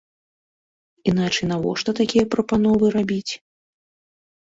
Іначай навошта такія прапановы рабіць?